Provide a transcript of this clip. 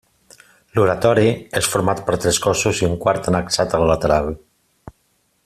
L'oratori és format per tres cossos i un quart annexat al lateral.